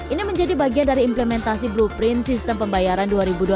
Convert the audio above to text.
ini menjadi bagian dari implementasi blueprint sistem pembayaran dua ribu dua puluh